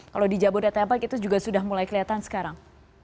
kalau di jabodetabek itu juga sudah mulai kelihatan sekarang